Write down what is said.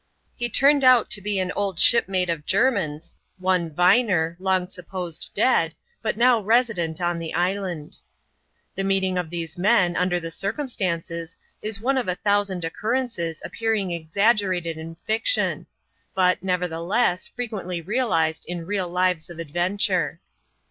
He turned out to be an old shipmate of Jermin's, one Viner, long supposed dead, but now resident on the island. The meeting of these men, under the circumstances, is one of a thousand occurrences appearing exaggerated in fiction ; but, nevertheless, frequently realised in actual lives of adventure.